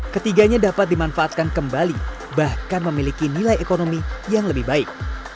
ketiganya dapat dimanfaatkan kembali bahkan memiliki nilai ekonomi yang lebih baik